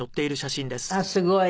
あっすごい。